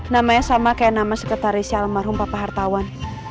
namanya sama kayak nama sekretarisnya almarhum papa hartawan